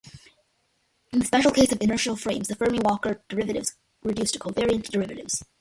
In the special case of inertial frames, the Fermi-Walker derivatives reduce to covariant derivatives.